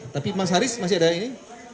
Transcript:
tapi mas haris masih ada ini